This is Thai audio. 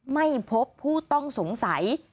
ไม่พบผู้ต้องสงสัย